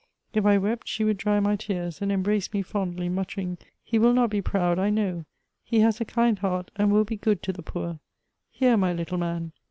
If I wept, she would dry my tears and embrace me fondly, muttering, "He vdll not be proud, I know. He has a kind heart, and will be good to the poor. Here, my little man."